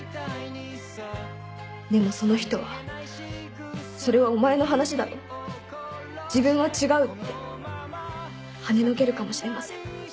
でもその人は「それはお前の話だろ」「自分は違う」ってはねのけるかもしれません。